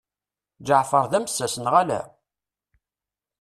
Ǧeɛfer d amessas neɣ ala?